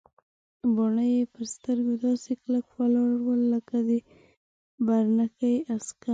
باڼه یې پر سترګو داسې کلک ولاړ ول لکه د پرنګي عسکر.